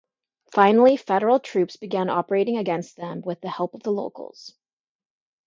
Finally Federal troops began operating against them with the help of the locals.